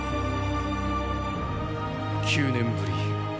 九年ぶり。